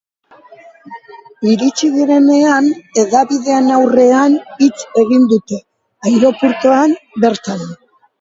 Iritsi direnean, hedabideen aurrean hitz egin dute, aireportuan bertan.